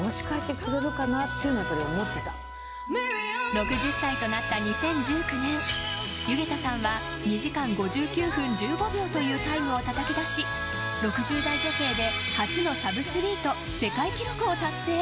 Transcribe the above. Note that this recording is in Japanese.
６０歳となった２０１９年弓削田さんは２時間５９分１５秒というタイムをたたき出し６０代女性で初のサブ３と世界記録を達成。